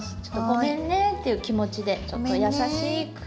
「ごめんね」っていう気持ちでちょっと優しく。